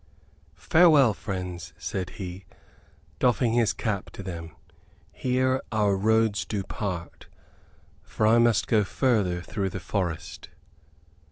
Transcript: "Farewell, friends," said he, doffing his cap to them. "Here our roads do part, for I must go further through the forest."